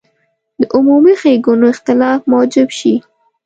د عمومي ښېګڼو اختلاف موجب شي.